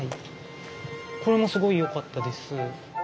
これもすごいよかったです。